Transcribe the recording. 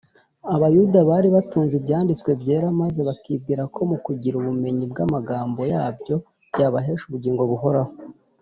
Abayuda bari batunze Ibyanditswe Byera, maze bakibwira ko mu kugira ubumenyi bw’amagambo yabyo byabahesheje ubugingo buhoraho